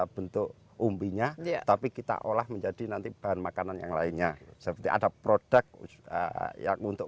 bentuk umbinya tapi kita olah menjadi nanti bahan makanan yang lainnya seperti ada produk yang untuk